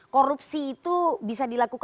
korupsi itu bisa dilakukan oleh para mahasiswa bahwa